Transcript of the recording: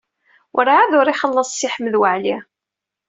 Werɛad ur ixelleṣ Si Ḥmed Waɛli.